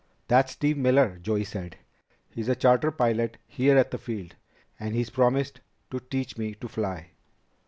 "That's Steve Miller," Joey said. "He's a charter pilot here at the field, and he's promised to teach me to fly."